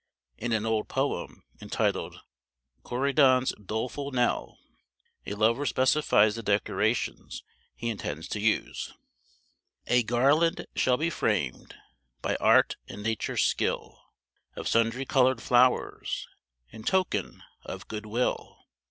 In an old poem, entitled "Corydon's Doleful Knell," a lover specifies the decorations he intends to use: A garland shall be framed By art and nature's skill, Of sundry colored flowers, In token of good will.